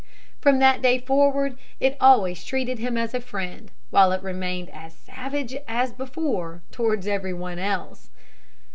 From that day forward it always treated him as a friend, while it remained as savage as before towards every one else.